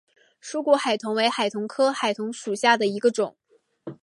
疏果海桐为海桐科海桐属下的一个种。